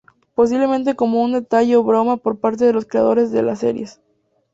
Posiblemente como un detalle o broma por parte de los creadores de las series.